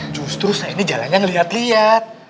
justru saya ini jalannya ngeliat lihat